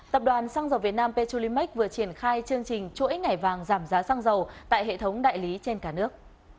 tập đoàn xăng dầu việt nam petrolimex vừa triển khai chương trình chỗ ích ngày vàng giảm giá xăng dầu tại hệ thống đại lý trên cả nước